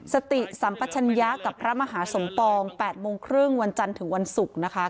สติสัมปชัญญะกับพระมหาสมปอง๘โมงครึ่งวันจันทร์ถึงวันศุกร์นะคะ